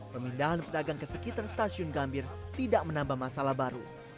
pemindahan pedagang ke sekitar stasiun gambir tidak menambah masalah baru